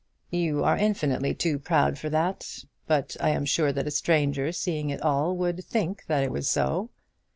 "You are infinitely too proud for that; but I am sure that a stranger seeing it all would think that it was so."